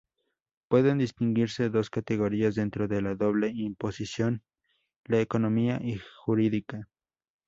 Pueden distinguirse dos categorías dentro de la doble imposición, la económica y jurídica.